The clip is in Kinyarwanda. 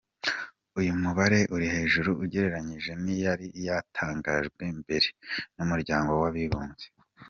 Uyu mubare uri hejuru ugereranyije n'iyari yatangajwe mbere n'Umuryango w'abibumbye.